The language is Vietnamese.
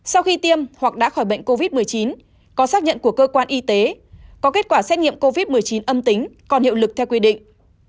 sau khi tiêm hoặc đã khỏi bệnh covid một mươi chín có xác nhận của cơ quan y tế có kết quả xét nghiệm covid một mươi chín âm tính còn hiệu lực theo quy định